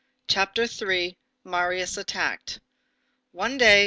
CHAPTER III—MARIUS ATTACKED One day, M.